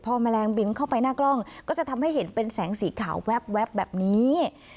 พอแมลงบินเข้าไปหน้ากล้องก็จะทำให้เห็นเป็นแสงสีขาวแว๊บแบบนี้